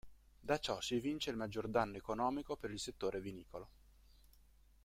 Da ciò si evince il maggior danno economico per il settore vinicolo.